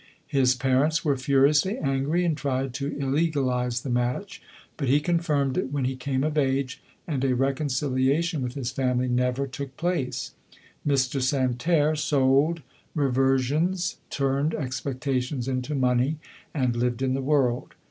His pa LODORE. 105 rents were furiously angry, and tried to illegal ize the match ; but he confirmed it when he came of age, and a reconciliation with his family never took place. Mr. Santerre hold reversions, turned expectations into money, and lived in the world.